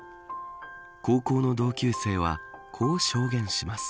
高校の同級生はこう証言します。